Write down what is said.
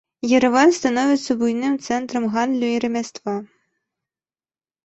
Ерэван становіцца буйным цэнтрам гандлю і рамяства.